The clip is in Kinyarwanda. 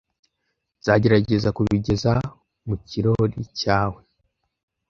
Nzagerageza kubigeza mu kirori cyawe.